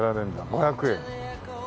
５００円。